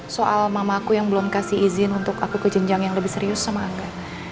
soal mamaku yang belum kasih izin untuk aku kejenjang yang lebih serius sama angga